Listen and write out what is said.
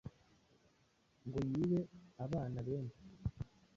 ngo yibe abana benhi,